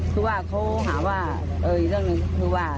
คือว่าเขาหาว่าอีกเรื่องหนึ่งคือว่า